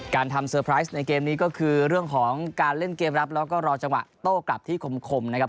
การทำเซอร์ไพรส์ในเกมนี้ก็คือเรื่องของการเล่นเกมรับแล้วก็รอจังหวะโต้กลับที่คมนะครับ